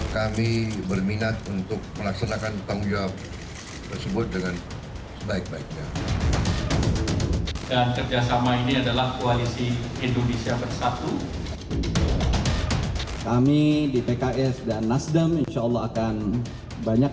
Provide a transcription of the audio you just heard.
kami berminat untuk melaksanakan tanggung jawab tersebut dengan sebaik baiknya